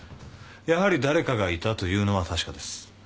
やはり誰かがいたというのは確かです。